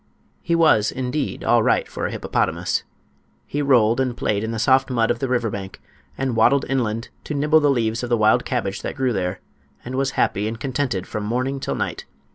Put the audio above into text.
He was, indeed, all right for a hippopotamus. He rolled and played in the soft mud of the river bank, and waddled inland to nibble the leaves of the wild cabbage that grew there, and was happy and contented from morning till night.